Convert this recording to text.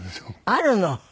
あるの？